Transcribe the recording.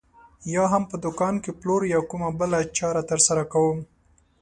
یا هم په دوکان کې پلور یا کومه بله چاره ترسره کوم.